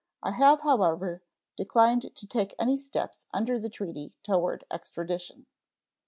I have, however, declined to take any steps under the treaty toward extradition.